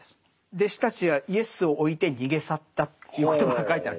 「弟子たちはイエスを置いて逃げ去った」という言葉が書いてある。